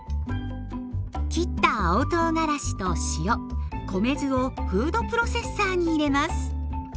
切った青とうがらしと塩米酢をフードプロセッサーに入れます。